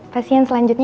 pasien selanjutnya ya